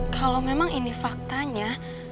kalau memang ini faktanya